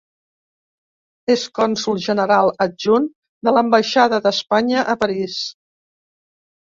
És cònsol general adjunt de l'ambaixada d'Espanya a París.